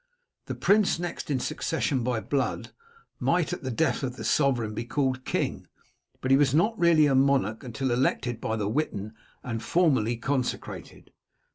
The prince next in succession by blood might, at the death of the sovereign, be called king, but he was not really a monarch until elected by the Witan and formally consecrated.